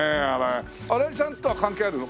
荒井さんとは関係あるの？